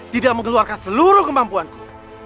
tidak mengeluarkan seluruh kemampuanku